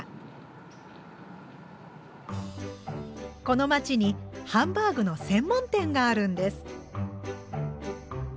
この街にハンバーグの専門店があるんです。